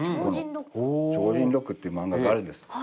『超人ロック』っていう漫画があるんです。